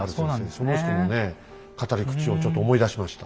その人のね語り口をちょっと思い出しました。